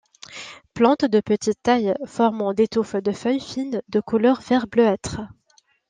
Plante de petite taille, formant des touffes de feuilles fines de couleur vert-bleuâtre.